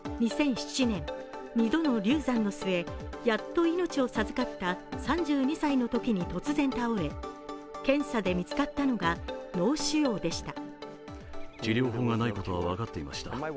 ２００７年、２度の流産の末、やっと命を授かった３２歳のときに突然倒れ検査で見つかったのが、脳腫瘍でした。